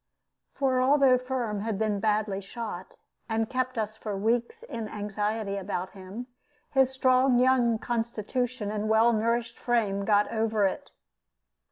For although Firm had been very badly shot, and kept us for weeks in anxiety about him, his strong young constitution and well nourished frame got over it.